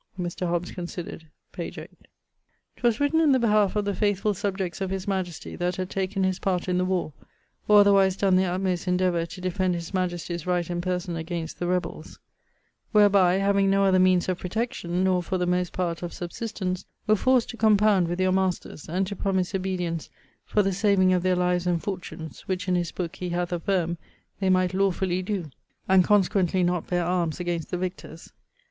Mr. Hobbes considered, p. 8. ''Twas written in the behalfe of the faithfull subjects of his majestie, that had taken his part in the war, or otherwise donne their utmost endeavour to defend his majestie's right and person against the rebells: wherby, having no other meanes of protection, nor (for the most part) of subsistence, were forced to compound with your masters, and to promise obedience for the saving of their lives and fortunes, which, in his booke he hath affirmed, they might lawfully doe, and consequently not bear arms against the victors.